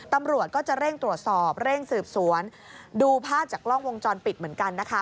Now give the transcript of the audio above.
ตำรวจก็จะเร่งตรวจสอบเร่งสืบสวนดูภาพจากกล้องวงจรปิดเหมือนกันนะคะ